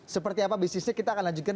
seperti apa bisnisnya kita akan lanjutkan